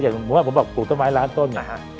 อย่างผมว่าผมบอกปลูกต้นไม้ร้านต้นอย่างนี้